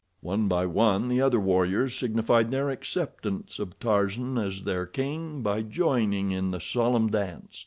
One by one the other warriors signified their acceptance of Tarzan as their king by joining in the solemn dance.